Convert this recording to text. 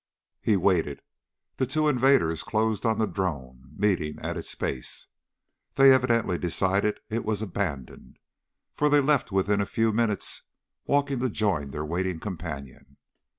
He waited. The two invaders closed on the drone, meeting at its base. They evidently decided it was abandoned, for they left within a few minutes walking to join their waiting companion.